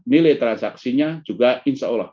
nilai transaksinya juga insya allah